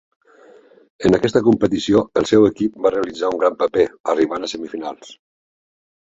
En aquesta competició el seu equip va realitzar un gran paper, arribant a semifinals.